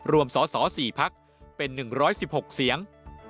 สส๔พักเป็น๑๑๖เสียง